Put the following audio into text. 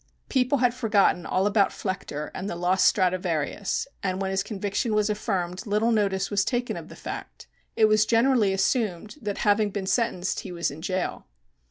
People had forgotten all about Flechter and the lost Stradivarius, and when his conviction was affirmed little notice was taken of the fact. It was generally assumed that having been sentenced he was in jail.